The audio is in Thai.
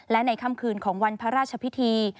และในค่ำคืนของวันพระราชพิธี